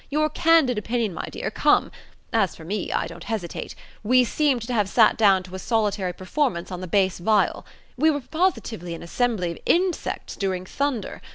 Your candid opinion, my dear, come! As for me, I don't hesitate. We seemed to have sat down to a solitary performance on the bass viol. We were positively an assembly of insects during thunder.